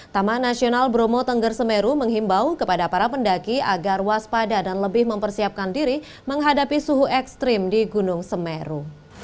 taman nasional bromo tengger semeru menghimbau kepada para pendaki agar waspada dan lebih mempersiapkan diri menghadapi suhu ekstrim di gunung semeru